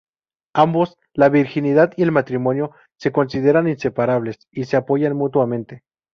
Ambos, la virginidad y el matrimonio, se consideran inseparables y se apoyan mutuamente.